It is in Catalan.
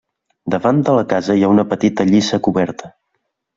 Davant de la casa hi ha una petita lliça coberta.